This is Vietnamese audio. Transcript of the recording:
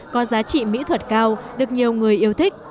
có giá trị mỹ thuật cao được nhiều người yêu thích